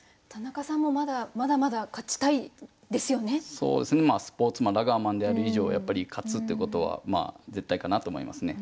そうですねスポーツマンラガーマンである以上やっぱり勝つっていうことは絶対かなと思いますね。